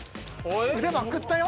腕まくったよ。